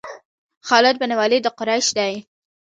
خالد بن ولید د قریش دی.